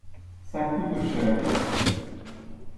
ça coûte cher.